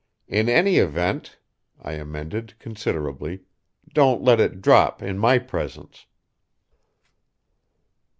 In any event," I amended considerately, "don't let it drop in my presence."